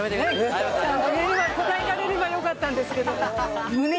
ちゃんとね今答えられればよかったんですけど。